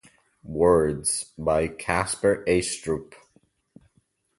Words by Kasper Eistrup.